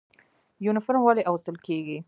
یونفورم ولې اغوستل کیږي؟